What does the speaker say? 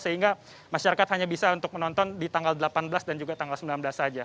sehingga masyarakat hanya bisa untuk menonton di tanggal delapan belas dan juga tanggal sembilan belas saja